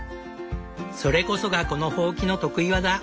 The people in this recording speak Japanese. それこそがこのホウキの得意技。